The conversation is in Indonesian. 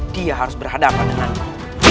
dia harus berhadapan dengan aku